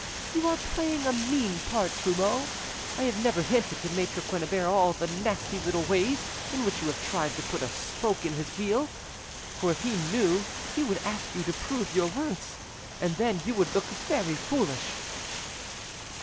You are playing a mean part, Trumeau. I have never hinted to Maitre Quennebert all the nasty little ways in which you have tried to put a spoke in his wheel, for if he knew he would ask you to prove your words, and then you would look very foolish.".